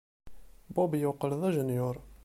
Bob yeqqel d ajenyuṛ.